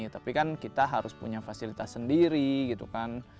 tapi kan kita harus punya fasilitas sendiri gitu kan